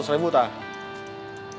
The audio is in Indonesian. dua ratus ribu bang